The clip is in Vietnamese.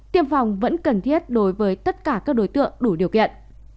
tiêm phòng vẫn cần thiết đối với tất cả các đối tượng đủ điều kiện